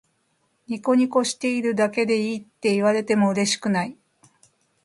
ニコニコしているだけでいいって言われてもうれしくない